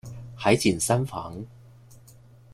海景三房